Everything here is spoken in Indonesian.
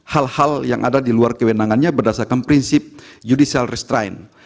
hal hal yang ada di luar kewenangannya berdasarkan prinsip judicial restrine